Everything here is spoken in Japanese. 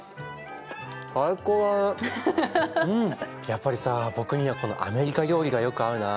やっぱりさ僕にはこのアメリカ料理がよく合うな。